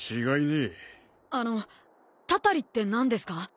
あのたたりって何ですか？